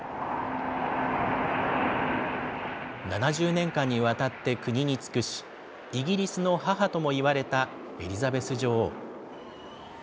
７０年間にわたって国に尽くし、イギリスの母ともいわれたエリザベス女王。